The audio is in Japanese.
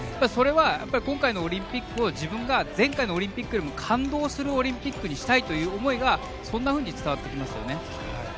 それは、今回のオリンピックを自分が前回のオリンピックよりも感動したオリンピックにしたいというそんなふうにも伝わってきますよね。